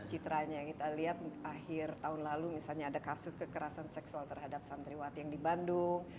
citranya kita lihat akhir tahun lalu misalnya ada kasus kekerasan seksual terhadap santriwati yang di bandung